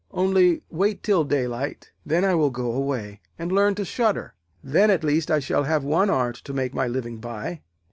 Only wait till daylight; then I will go away, and learn to shudder. Then, at least, I shall have one art to make my living by.'